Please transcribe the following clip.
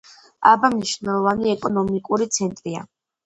აბა მნიშვნელოვანი ეკონომიკური ცენტრია.